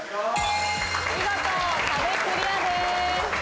見事壁クリアです。